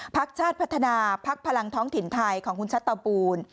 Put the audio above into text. พักชาติพัฒนาพักพลังท้องถิ่นไทยของคุณชัดเตาปูน